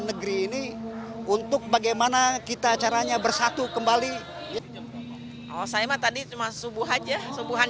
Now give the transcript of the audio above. negeri ini untuk bagaimana kita caranya bersatu kembali saya tadi cuma subuh aja subuhan